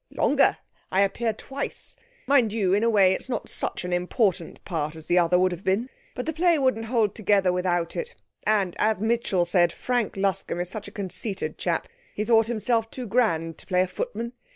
'Longer! I appear twice. Mind you, in a way it's not such an important part as the other would have been; but the play wouldn't hold together without it, and, as Mitchell said, Frank Luscombe is such a conceited chap he thought himself too grand to play a footman.